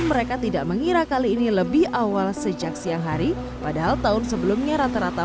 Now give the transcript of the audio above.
mereka tidak mengira kali ini lebih awal sejak siang hari padahal tahun sebelumnya rata rata